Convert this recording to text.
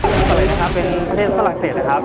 ก่อนเลยนะครับเป็นประเทศฝรั่งเศสนะครับ